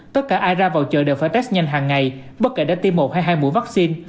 tất cả ai ra vào chợ đều phải test nhanh hàng ngày bất kể đã tim một hay hai mũi vaccine